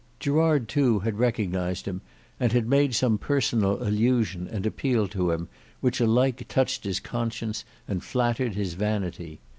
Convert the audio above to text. Gerard too had recognized him and had made some personal allusion and appeal to him, which alike touched his conscience and flattered his vanity.